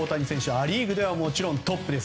ア・リーグではもちろんトップです。